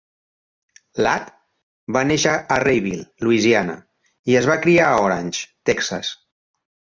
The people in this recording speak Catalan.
Ladd va néixer a Rayville, Luisiana i es va criar a Orange, Texas.